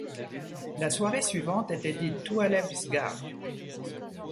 La soirée suivante était dite toualeb sghar.